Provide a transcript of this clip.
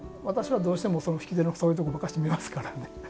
私はどうしても引き手のそういうとこばっかし見ますからね。